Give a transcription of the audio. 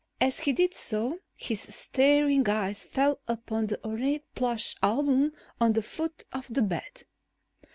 As he did so, his staring eyes fell upon the ornate plush album on the foot of the bed.